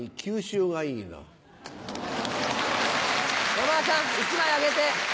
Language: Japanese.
山田さん１枚あげて。